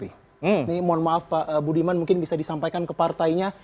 ini mohon maaf pak budiman mungkin bisa disampaikan ke partainya